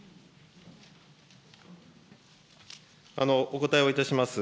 お答えをいたします。